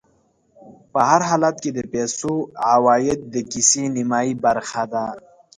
په هر حالت کې د پیسو عوايد د کيسې نیمایي برخه ده